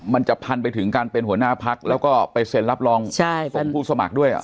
มันจะพันไปถึงการเป็นหัวหน้าพักแล้วก็ไปเซ็นรับรองผู้สมัครด้วย